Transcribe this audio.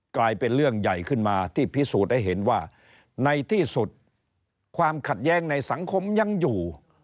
กลายเป็นเรื่องใหญ่ขึ้นมาที่พิสูจน์ให้เห็นว่าในที่สุดความขัดแย้งในสังคมยังอยู่